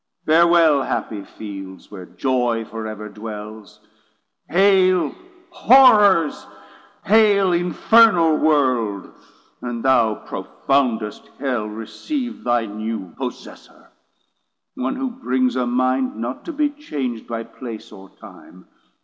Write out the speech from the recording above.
Farewel happy Fields Where Joy for ever dwells: Hail horrours, hail 250 Infernal world, and thou profoundest Hell Receive thy new Possessor: One who brings A mind not to be chang'd by Place or Time.